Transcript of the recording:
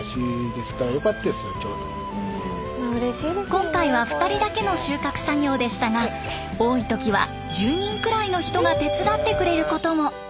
今回は２人だけの収穫作業でしたが多い時は１０人くらいの人が手伝ってくれることも。